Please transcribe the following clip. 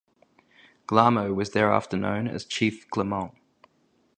Glahmo was thereafter known as Chief Clermont.